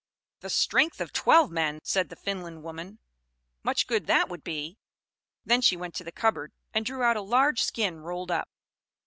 "The strength of twelve men!" said the Finland woman. "Much good that would be!" Then she went to a cupboard, and drew out a large skin rolled up.